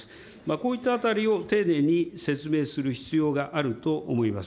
こういったあたりを丁寧に説明する必要があると思います。